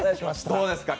どうですか？